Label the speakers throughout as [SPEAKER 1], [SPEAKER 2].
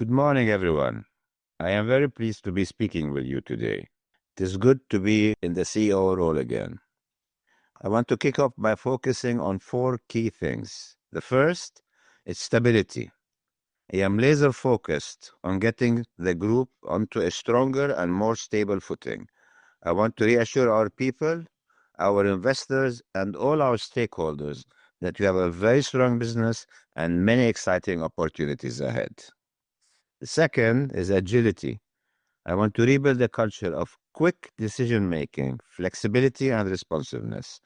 [SPEAKER 1] Good morning, everyone. I am very pleased to be speaking with you today. It is good to be in the CEO role again. I want to kick off by focusing on four key things. The first is stability. I am laser-focused on getting the group onto a stronger and more stable footing. I want to reassure our people, our investors, and all our stakeholders that we have a very strong business and many exciting opportunities ahead. The second is agility. I want to rebuild a culture of quick decision-making, flexibility, and responsiveness.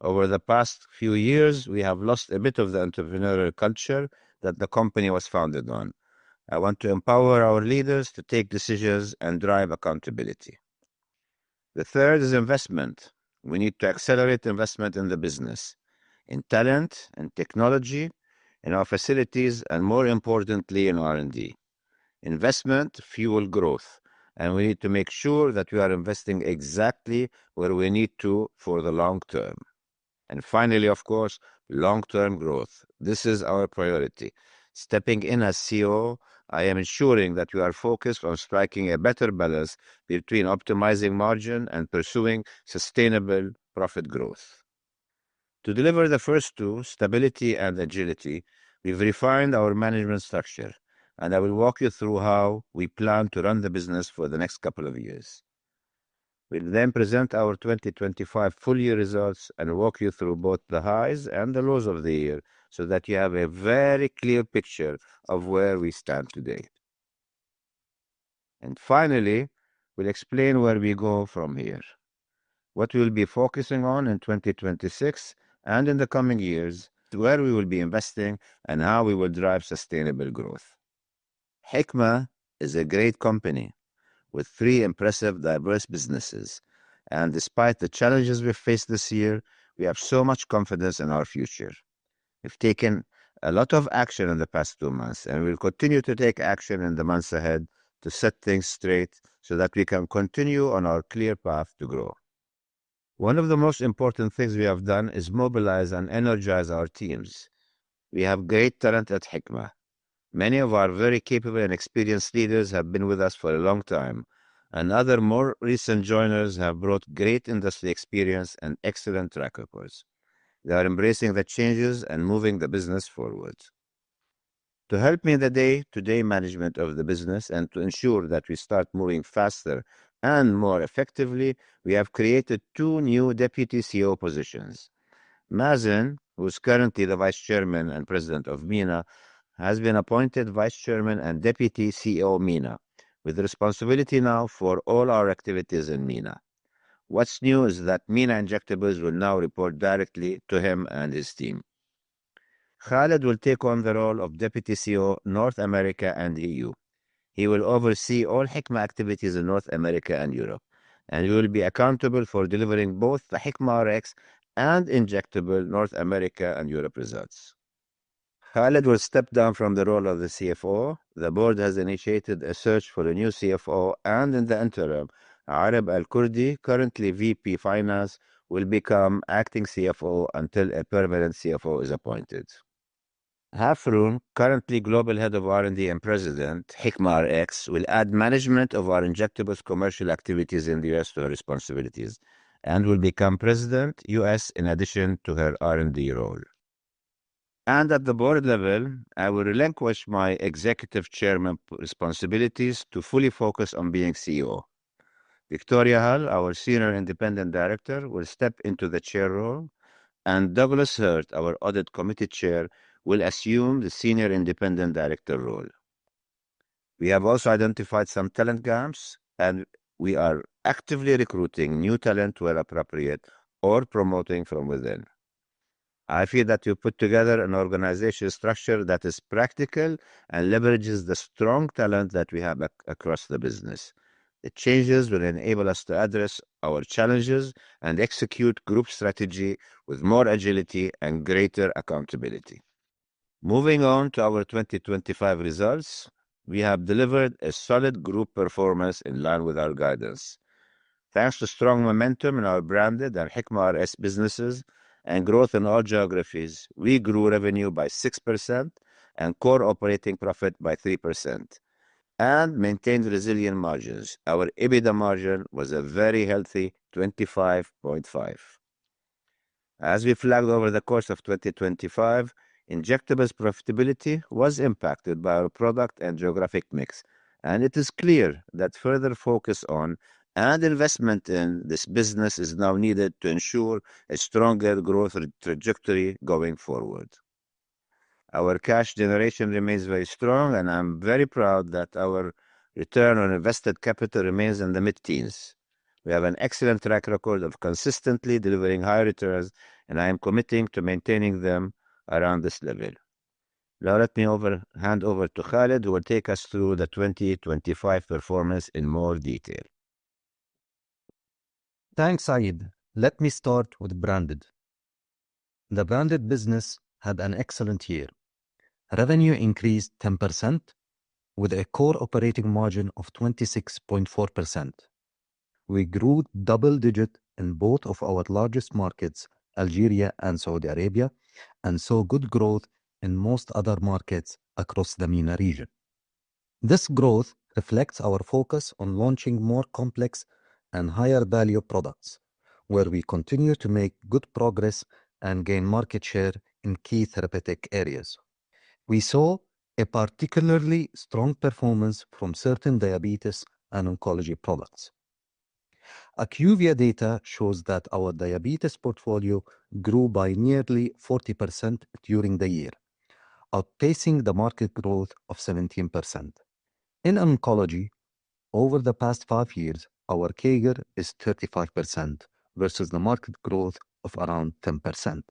[SPEAKER 1] Over the past few years, we have lost a bit of the entrepreneurial culture that the company was founded on. I want to empower our leaders to take decisions and drive accountability. The third is investment. We need to accelerate investment in the business, in talent, in technology, in our facilities, and more importantly, in R&D. Investment fuel growth, and we need to make sure that we are investing exactly where we need to for the long term. Finally, of course, long-term growth. This is our priority. Stepping in as CEO, I am ensuring that we are focused on striking a better balance between optimizing margin and pursuing sustainable profit growth. To deliver the first two, stability and agility, we've refined our management structure, and I will walk you through how we plan to run the business for the next couple of years. We'll then present our 2025 full-year results and walk you through both the highs and the lows of the year so that you have a very clear picture of where we stand today. Finally, we'll explain where we go from here, what we'll be focusing on in 2026 and in the coming years, where we will be investing, and how we will drive sustainable growth. Hikma is a great company with three impressive, diverse businesses, and despite the challenges we faced this year, we have so much confidence in our future. We've taken a lot of action in the past two months, and we'll continue to take action in the months ahead to set things straight so that we can continue on our clear path to grow. One of the most important things we have done is mobilize and energize our teams. We have great talent at Hikma. Many of our very capable and experienced leaders have been with us for a long time, and other more recent joiners have brought great industry experience and excellent track records. They are embracing the changes and moving the business forward. To help me in the day-to-day management of the business and to ensure that we start moving faster and more effectively, we have created two new deputy CEO positions. Mazen, who's currently the Vice Chairman and President of MENA, has been appointed Vice Chairman and Deputy CEO, MENA, with responsibility now for all our activities in MENA. What's new is that MENA Injectables will now report directly to him and his team. Khalid will take on the role of Deputy CEO, North America and EU. He will oversee all Hikma activities in North America and Europe, and he will be accountable for delivering both the Hikma Rx and Injectable North America and Europe results. Khalid will step down from the role of the CFO. The board has initiated a search for a new CFO, and in the interim, Arabi El-Kurdi, currently VP, Finance, will become Acting CFO until a permanent CFO is appointed. Hafrun, currently Global Head of R&D and President, Hikma Rx, will add management of our Injectables commercial activities in the U.S. to her responsibilities and will become President, U.S., in addition to her R&D role. At the board level, I will relinquish my Executive Chairman responsibilities to fully focus on being CEO. Victoria Hull, our Senior Independent Director, will step into the Chair role, and Douglas Hurt, our Audit Committee Chair, will assume the Senior Independent Director role. We have also identified some talent gaps, and we are actively recruiting new talent where appropriate or promoting from within. I feel that we've put together an organizational structure that is practical and leverages the strong talent that we have across the business. The changes will enable us to address our challenges and execute group strategy with more agility and greater accountability. Moving on to our 2025 results, we have delivered a solid group performance in line with our guidance. Thanks to strong momentum in our Branded and Hikma Rx businesses and growth in all geographies, we grew revenue by 6% and core operating profit by 3% and maintained resilient margins. Our EBITDA margin was a very healthy 25.5%. As we flagged over the course of 2025, Injectables profitability was impacted by our product and geographic mix, and it is clear that further focus on and investment in this business is now needed to ensure a stronger growth trajectory going forward. Our cash generation remains very strong, and I'm very proud that our return on invested capital remains in the mid-teens. We have an excellent track record of consistently delivering high returns, and I am committing to maintaining them around this level. Now, let me hand over to Khalid, who will take us through the 2025 performance in more detail.
[SPEAKER 2] Thanks, Said. Let me start with Branded. The Branded business had an excellent year. Revenue increased 10%, with a core operating margin of 26.4%. We grew double-digit in both of our largest markets, Algeria and Saudi Arabia, and saw good growth in most other markets across the MENA region. This growth reflects our focus on launching more complex and higher-value products, where we continue to make good progress and gain market share in key therapeutic areas. We saw a particularly strong performance from certain diabetes and oncology products. IQVIA data shows that our diabetes portfolio grew by nearly 40% during the year, outpacing the market growth of 17%. In oncology, over the past 5 years, our CAGR is 35% versus the market growth of around 10%.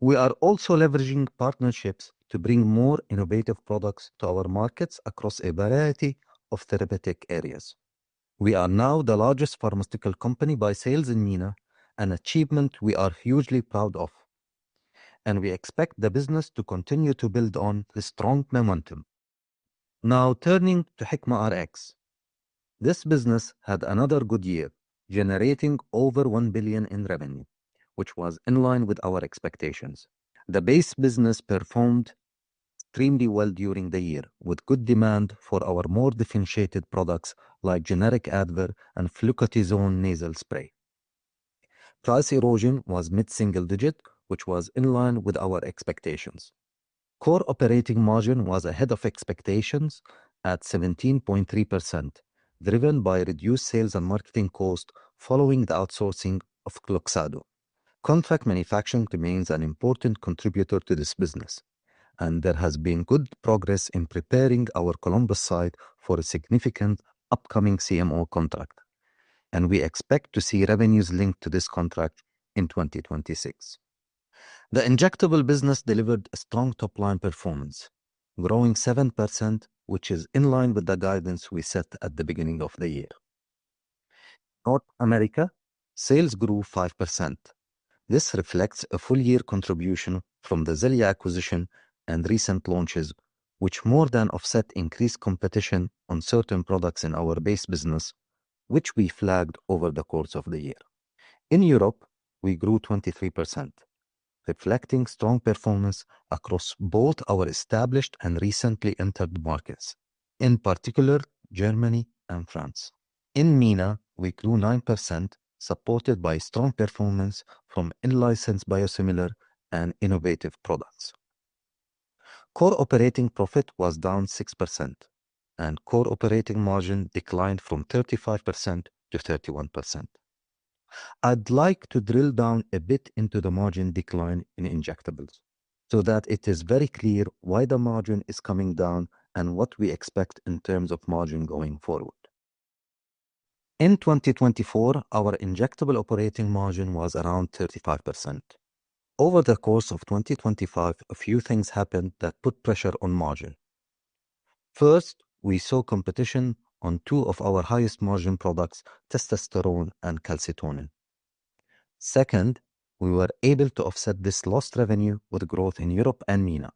[SPEAKER 2] We are also leveraging partnerships to bring more innovative products to our markets across a variety of therapeutic areas. We are now the largest pharmaceutical company by sales in MENA, an achievement we are hugely proud of. We expect the business to continue to build on this strong momentum. Now, turning to Hikma Rx, this business had another good year, generating over $1 billion in revenue, which was in line with our expectations. The base business performed extremely well during the year, with good demand for our more differentiated products like generic Advair and fluticasone nasal spray. Price erosion was mid-single digit, which was in line with our expectations. Core operating margin was ahead of expectations at 17.3%, driven by reduced sales and marketing costs following the outsourcing of Glaukos. Contract manufacturing remains an important contributor to this business, there has been good progress in preparing our Columbus site for a significant upcoming CMO contract, and we expect to see revenues linked to this contract in 2026. The injectable business delivered a strong top-line performance, growing 7%, which is in line with the guidance we set at the beginning of the year. North America, sales grew 5%. This reflects a full-year contribution from the Xellia acquisition and recent launches, which more than offset increased competition on certain products in our base business, which we flagged over the course of the year. In Europe, we grew 23%, reflecting strong performance across both our established and recently entered markets, in particular, Germany and France. In MENA, we grew 9%, supported by strong performance from in-licensed biosimilar and innovative products. Core operating profit was down 6%, and core operating margin declined from 35%-31%. I'd like to drill down a bit into the margin decline in injectables so that it is very clear why the margin is coming down and what we expect in terms of margin going forward. In 2024, our injectable operating margin was around 35%. Over the course of 2025, a few things happened that put pressure on margin. First, we saw competition on two of our highest-margin products, testosterone and calcitonin. Second, we were able to offset this lost revenue with growth in Europe and MENA,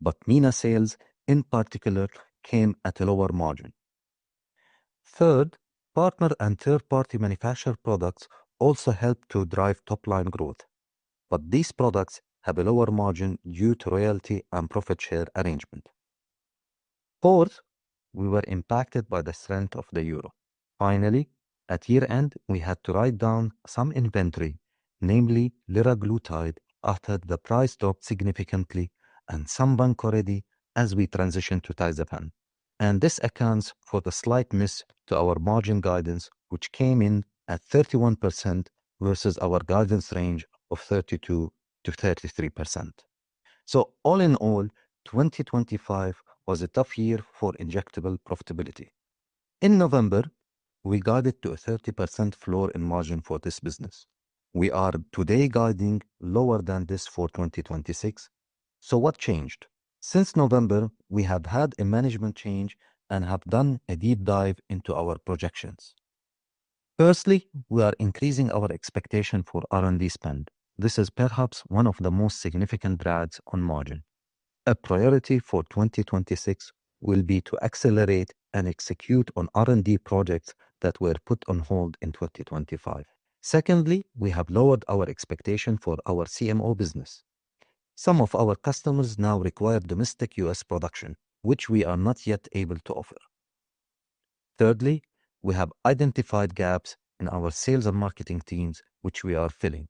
[SPEAKER 2] but MENA sales, in particular, came at a lower margin. Third, partner and third-party manufactured products also helped to drive top-line growth, but these products have a lower margin due to royalty and profit share arrangement. We were impacted by the strength of the euro. At year-end, we had to write down some inventory, namely liraglutide, after the price dropped significantly and some VANCO READY as we transition to TYSAVAN, and this accounts for the slight miss to our margin guidance, which came in at 31% versus our guidance range of 32%-33%. All in all, 2025 was a tough year for injectable profitability. In November, we guided to a 30% floor in margin for this business. We are today guiding lower than this for 2026. What changed? Since November, we have had a management change and have done a deep dive into our projections. We are increasing our expectation for R&D spend. This is perhaps one of the most significant drags on margin. A priority for 2026 will be to accelerate and execute on R&D projects that were put on hold in 2025. Secondly, we have lowered our expectation for our CMO business. Some of our customers now require domestic U.S. production, which we are not yet able to offer. Thirdly, we have identified gaps in our sales and marketing teams, which we are filling.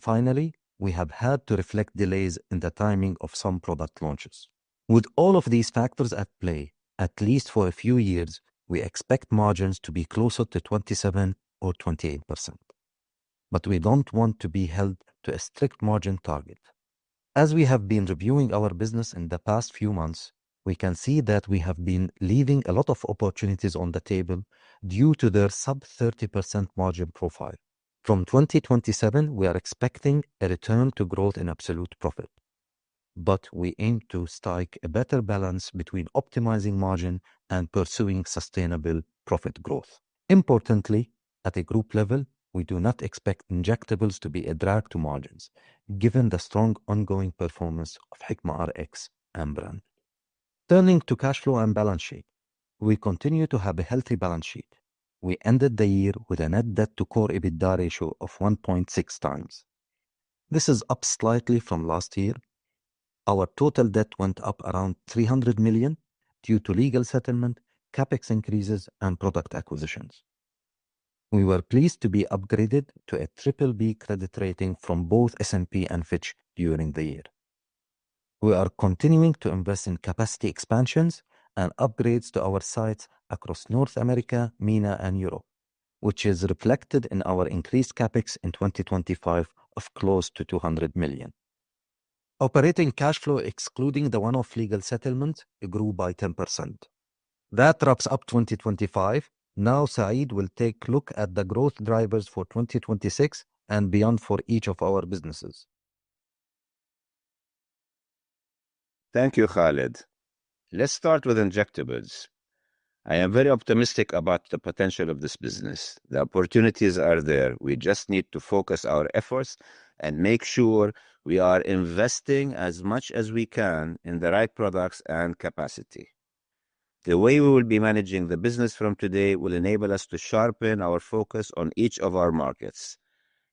[SPEAKER 2] Finally, we have had to reflect delays in the timing of some product launches. With all of these factors at play, at least for a few years, we expect margins to be closer to 27% or 28%, but we don't want to be held to a strict margin target. As we have been reviewing our business in the past few months, we can see that we have been leaving a lot of opportunities on the table due to their sub 30% margin profile. From 2027, we are expecting a return to growth in absolute profit. We aim to strike a better balance between optimizing margin and pursuing sustainable profit growth. Importantly, at a group level, we do not expect injectables to be a drag to margins, given the strong ongoing performance of Hikma Rx and Brand. Turning to cash flow and balance sheet, we continue to have a healthy balance sheet. We ended the year with a net debt to core EBITDA ratio of 1.6 times. This is up slightly from last year. Our total debt went up around $300 million due to legal settlement, CapEx increases, and product acquisitions. We were pleased to be upgraded to a BBB credit rating from both S&P and Fitch during the year. We are continuing to invest in capacity expansions and upgrades to our sites across North America, MENA, and Europe, which is reflected in our increased CapEx in 2025 of close to $200 million. Operating cash flow, excluding the one-off legal settlement, grew by 10%. That wraps up 2025. Said will take look at the growth drivers for 2026 and beyond for each of our businesses.
[SPEAKER 1] Thank you, Khalid. Let's start with injectables. I am very optimistic about the potential of this business. The opportunities are there. We just need to focus our efforts and make sure we are investing as much as we can in the right products and capacity. The way we will be managing the business from today will enable us to sharpen our focus on each of our markets.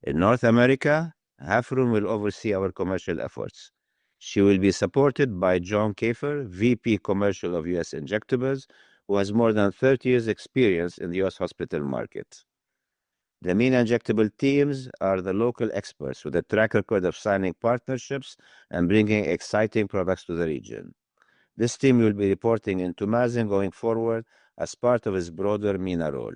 [SPEAKER 1] In North America, Hafrun will oversee our commercial efforts. She will be supported by Jon Kafer, VP Commercial of U.S. Injectables, who has more than 30 years’ experience in the U.S. hospital market. The MENA injectable teams are the local experts with a track record of signing partnerships and bringing exciting products to the region. This team will be reporting into Mazen going forward as part of his broader MENA role.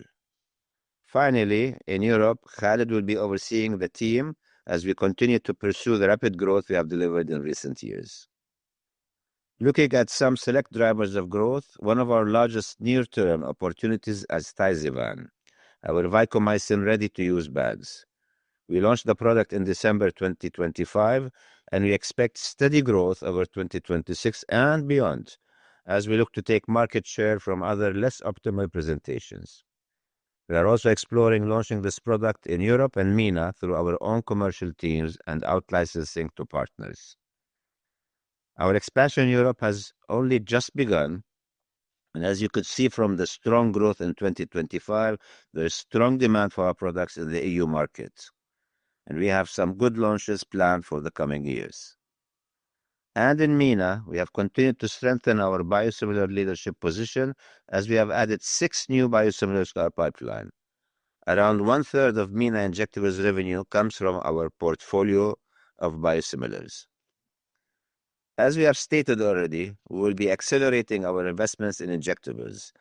[SPEAKER 1] Finally, in Europe, Khalid will be overseeing the team as we continue to pursue the rapid growth we have delivered in recent years. Looking at some select drivers of growth, one of our largest near-term opportunities as TYSAVAN, our TYSAVAN ready-to-use bags. We launched the product in December 2025. We expect steady growth over 2026 and beyond as we look to take market share from other less optimal presentations. We are also exploring launching this product in Europe and MENA through our own commercial teams and out-licensing to partners. Our expansion in Europe has only just begun. As you could see from the strong growth in 2025, there is strong demand for our products in the EU market. We have some good launches planned for the coming years. In MENA, we have continued to strengthen our biosimilar leadership position as we have added six new biosimilars to our pipeline. Around one-third of MENA Injectables revenue comes from our portfolio of biosimilars. As we have stated already, we will be accelerating our investments in injectables.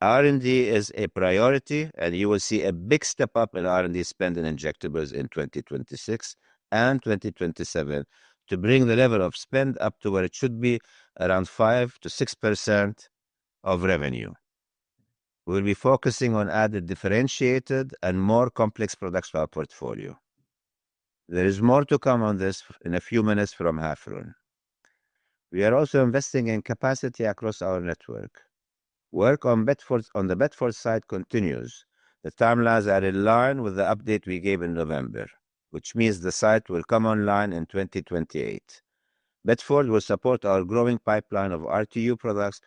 [SPEAKER 1] R&D is a priority, and you will see a big step-up in R&D spend in injectables in 2026 and 2027 to bring the level of spend up to where it should be, around 5%-6% of revenue. We'll be focusing on added differentiated and more complex products to our portfolio. There is more to come on this in a few minutes from Hafrun. We are also investing in capacity across our network. Work on the Bedford site continues. The timelines are in line with the update we gave in November, which means the site will come online in 2028. Bedford will support our growing pipeline of RTU products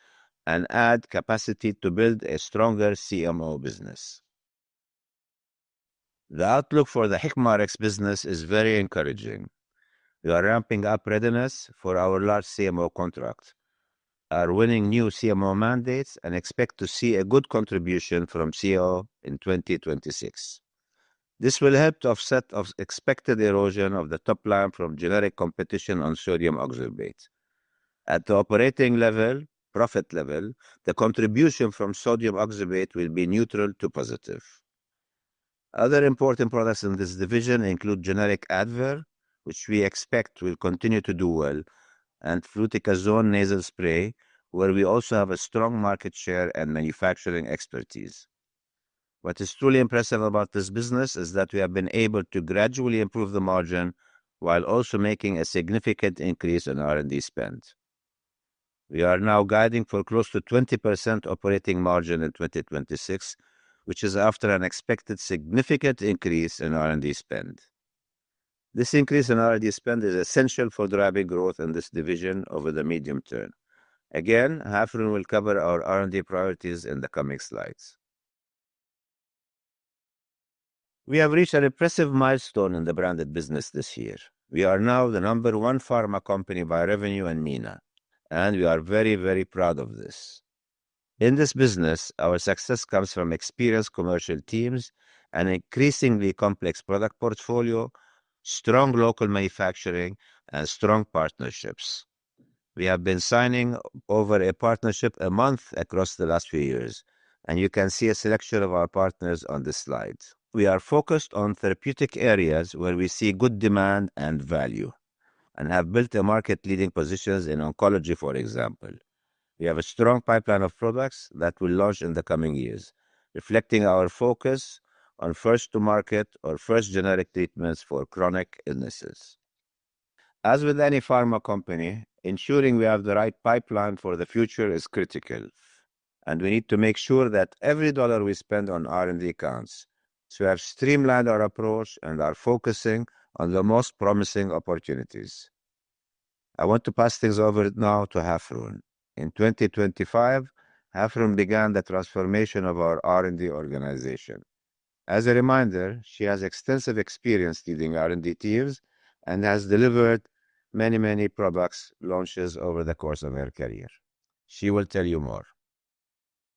[SPEAKER 1] and add capacity to build a stronger CMO business. The outlook for the Hikma Rx business is very encouraging. We are ramping up readiness for our large CMO contract, are winning new CMO mandates, and expect to see a good contribution from CMO in 2026. This will help to offset of expected erosion of the top line from generic competition on sodium oxybate. At the operating level, profit level, the contribution from sodium oxybate will be neutral to positive. Other important products in this division include generic Advair, which we expect will continue to do well, and fluticasone nasal spray, where we also have a strong market share and manufacturing expertise. What is truly impressive about this business is that we have been able to gradually improve the margin while also making a significant increase in R&D spend. We are now guiding for close to 20% operating margin in 2026, which is after an expected significant increase in R&D spend. This increase in R&D spend is essential for driving growth in this division over the medium term. Hafrun will cover our R&D priorities in the coming slides. We have reached an impressive milestone in the branded business this year. We are now the number one pharma company by revenue in MENA, and we are very, very proud of this. In this business, our success comes from experienced commercial teams, an increasingly complex product portfolio, strong local manufacturing, and strong partnerships. We have been signing over a partnership a month across the last few years. You can see a selection of our partners on this slide. We are focused on therapeutic areas where we see good demand and value and have built a market-leading positions in oncology, for example. We have a strong pipeline of products that will launch in the coming years, reflecting our focus on first-to-market or first-generic treatments for chronic illnesses. As with any pharma company, ensuring we have the right pipeline for the future is critical. We need to make sure that every dollar we spend on R&D counts. We have streamlined our approach and are focusing on the most promising opportunities. I want to pass things over now to Hafrun. In 2025, Hafrun began the transformation of our R&D organization. As a reminder, she has extensive experience leading R&D teams and has delivered many products launches over the course of her career. She will tell you more.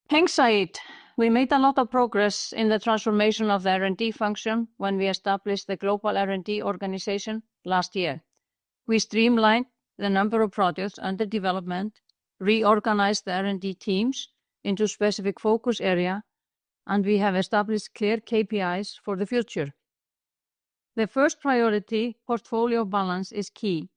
[SPEAKER 3] Thanks, Said. We made a lot of progress in the transformation of the R&D function when we established the Global R&D Organization last year. We streamlined the number of projects under development, reorganized the R&D teams into specific focus area, and we have established clear KPIs for the future. The first priority, portfolio balance, is key.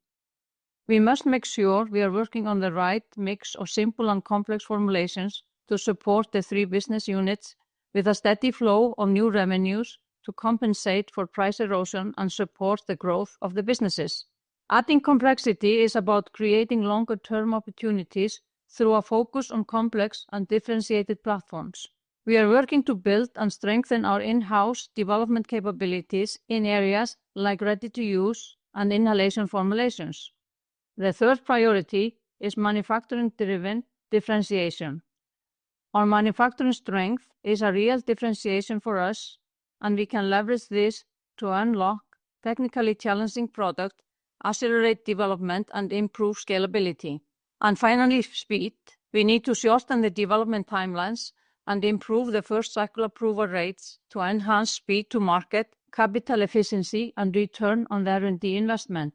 [SPEAKER 3] We must make sure we are working on the right mix of simple and complex formulations to support the three business units with a steady flow of new revenues to compensate for price erosion and support the growth of the businesses. Adding complexity is about creating longer-term opportunities through a focus on complex and differentiated platforms. We are working to build and strengthen our in-house development capabilities in areas like ready-to-use and inhalation formulations. The third priority is manufacturing-driven differentiation. Our manufacturing strength is a real differentiation for us, and we can leverage this to unlock technically challenging product, accelerate development, and improve scalability. Finally, speed. We need to shorten the development timelines and improve the first-cycle approval rates to enhance speed to market, capital efficiency, and return on the R&D investment.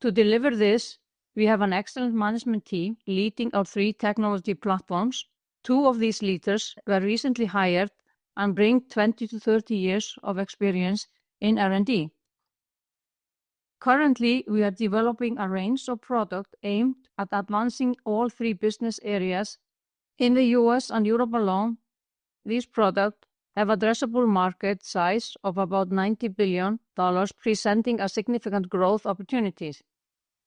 [SPEAKER 3] To deliver this, we have an excellent management team leading our three technology platforms. Two of these leaders were recently hired and bring 20-30 years of experience in R&D. Currently, we are developing a range of product aimed at advancing all three business areas. In the U.S. and Europe alone, these product have addressable market size of about $90 billion, presenting a significant growth opportunities.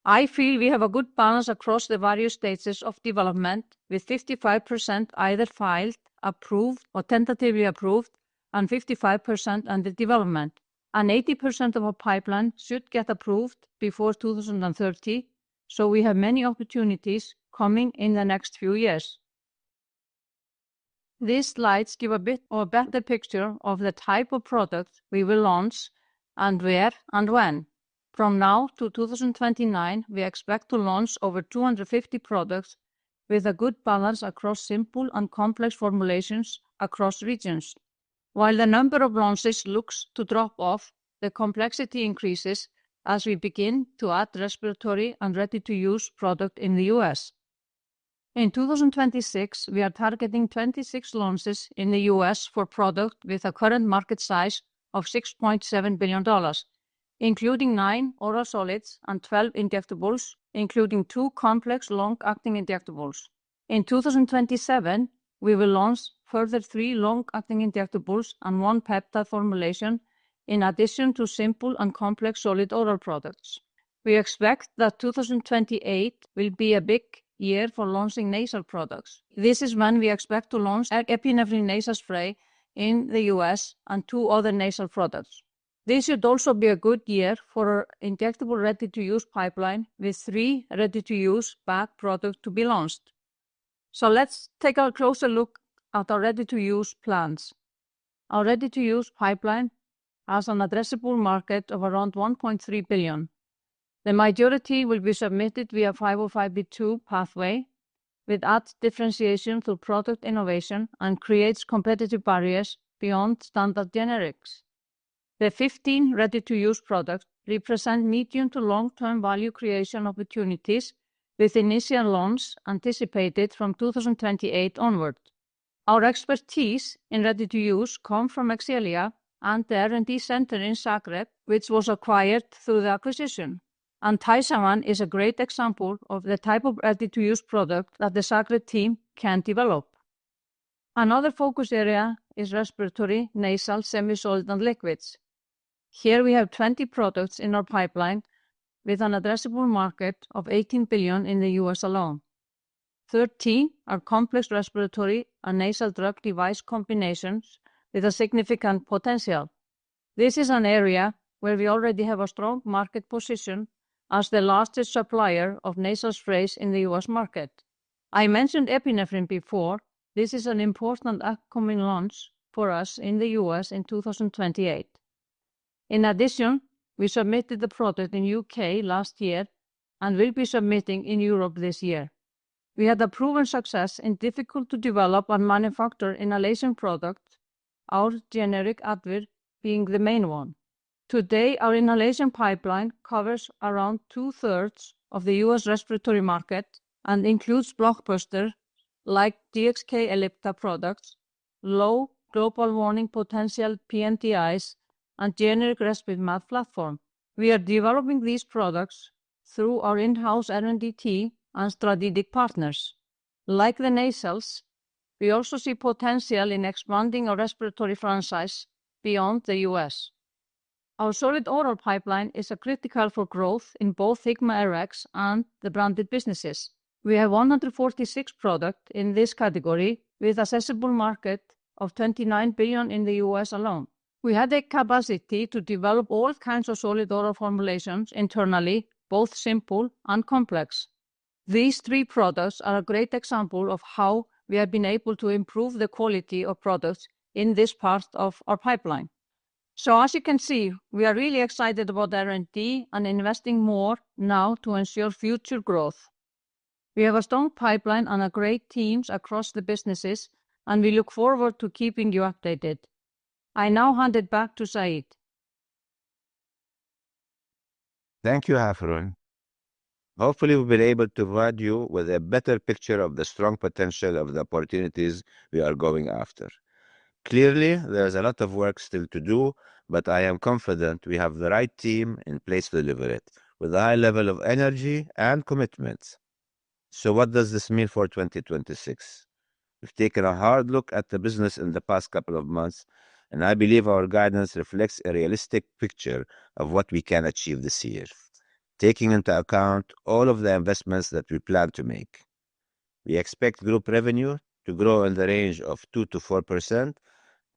[SPEAKER 3] I feel we have a good balance across the various stages of development, with 55% either filed, approved, or tentatively approved, and 55% under development, and 80% of our pipeline should get approved before 2030. We have many opportunities coming in the next few years. These slides give a bit of a better picture of the type of products we will launch and where and when. From now to 2029, we expect to launch over 250 products with a good balance across simple and complex formulations across regions. The number of launches looks to drop off, the complexity increases as we begin to add respiratory and ready-to-use product in the U.S. In 2026, we are targeting 26 launches in the U.S. for product with a current market size of $6.7 billion, including nine oral solids and 12 injectables, including two complex long-acting injectables. In 2027, we will launch further three long-acting injectables and one peptide formulation in addition to simple and complex solid oral products. We expect that 2028 will be a big year for launching nasal products. This is when we expect to launch epinephrine nasal spray in the U.S. and two other nasal products. This should also be a good year for injectable ready-to-use pipeline, with three ready-to-use bag product to be launched. Let's take a closer look at our ready-to-use plans. Our ready-to-use pipeline has an addressable market of around $1.3 billion. The majority will be submitted via 505(b)(2) pathway, which adds differentiation through product innovation and creates competitive barriers beyond standard generics. The 15 ready-to-use products represent medium to long-term value creation opportunities, with initial loans anticipated from 2028 onward. Our expertise in ready-to-use come from Xellia and the R&D center in Zagreb, which was acquired through the acquisition. TYSAVAN is a great example of the type of ready-to-use product that the Zagreb team can develop. Another focus area is respiratory, nasal, semisolid, and liquids. Here we have 20 products in our pipeline with an addressable market of $18 billion in the U.S. alone. 13 are complex respiratory and nasal drug-device combinations with a significant potential. This is an area where we already have a strong market position as the largest supplier of nasal sprays in the U.S. market. I mentioned epinephrine before. This is an important upcoming launch for us in the U.S. in 2028. In addition, we submitted the product in the U.K. last year and will be submitting in Europe this year. We had a proven success in difficult-to-develop and manufacture inhalation products, our generic Advair being the main one. Today, our inhalation pipeline covers around two-thirds of the U.S. respiratory market and includes blockbuster like Breo Ellipta products, low global warming potential pMDIs, and generic Respimat platform. We are developing these products through our in-house R&D team and strategic partners. Like the nasals, we also see potential in expanding our respiratory franchise beyond the U.S. Our solid oral pipeline is a critical for growth in both Hikma Rx and the branded businesses. We have 146 product in this category, with accessible market of $29 billion in the U.S. alone. We have the capacity to develop all kinds of solid oral formulations internally, both simple and complex. These three products are a great example of how we have been able to improve the quality of products in this part of our pipeline. As you can see, we are really excited about R&D and investing more now to ensure future growth. We have a strong pipeline and a great teams across the businesses, and we look forward to keeping you updated. I now hand it back to Said.
[SPEAKER 1] Thank you, Hafrun. Hopefully, we've been able to provide you with a better picture of the strong potential of the opportunities we are going after. Clearly, there is a lot of work still to do, but I am confident we have the right team in place to deliver it with a high level of energy and commitment. What does this mean for 2026? We've taken a hard look at the business in the past couple of months, and I believe our guidance reflects a realistic picture of what we can achieve this year, taking into account all of the investments that we plan to make. We expect group revenue to grow in the range of 2%-4%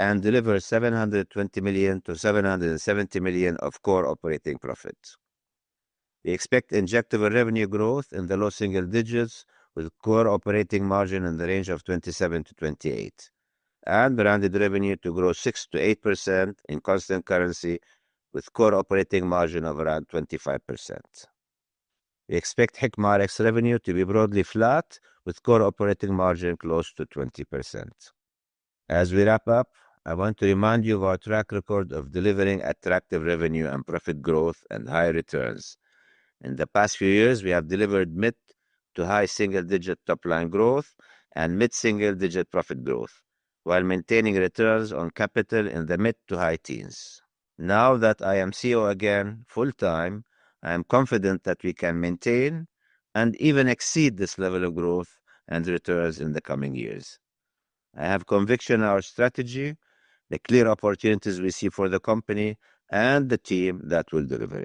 [SPEAKER 1] and deliver $720 million-$770 million of core operating profit. We expect injectable revenue growth in the low single digits, with core operating margin in the range of 27%-28%, and branded revenue to grow 6%-8% in constant currency, with core operating margin of around 25%. We expect Hikma Rx revenue to be broadly flat, with core operating margin close to 20%. As we wrap up, I want to remind you of our track record of delivering attractive revenue and profit growth and high returns. In the past few years, we have delivered mid-to-high single-digit top-line growth and mid-single-digit profit growth, while maintaining returns on capital in the mid-to-high teens. Now that I am CEO again full time, I am confident that we can maintain and even exceed this level of growth and returns in the coming years. I have conviction in our strategy, the clear opportunities we see for the company, and the team that will deliver it.